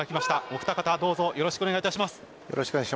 お二方どうぞよろしくお願いします。